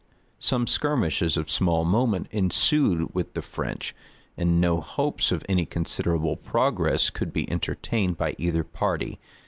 Some skirmishes of small moment ensued with the French; and no hopes of any considerable progress could be entertained by either party.